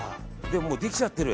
もうできちゃってる。